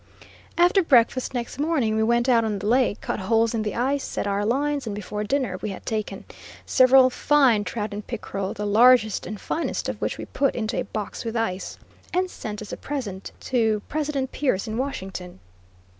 After breakfast next morning we went out on the lake, cut holes in the ice, set our lines, and before dinner we had taken several fine trout and pickerel, the largest and finest of which we put into a box with ice, and sent as a present to President Pierce, in Washington.